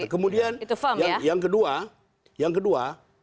kemudian yang kedua